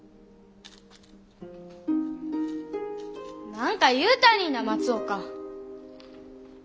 何か言うたりぃな松岡！